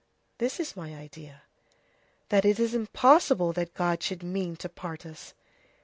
"This is my idea: that it is impossible that God should mean to part us.